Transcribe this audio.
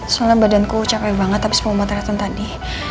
soalnya badanku capek banget abis pengumatan raton tadi